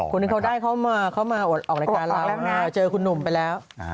คนที่เขาได้เข้ามาเขามาออกรายการเราเจอคุณหนุ่มไปแล้ว